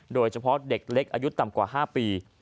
โดยเฉพาะเด็กเล็กอายุต่ำกว่า๕ปี